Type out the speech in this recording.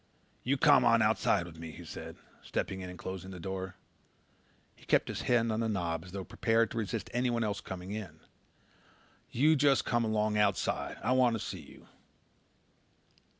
"You come on outside with me," he said, stepping in and closing the door. He kept his hand on the knob as though prepared to resist anyone else coming in. "You just come along outside. I want to see you."